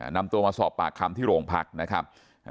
นำตัวมาสอบปากคำที่โรงพักนะครับ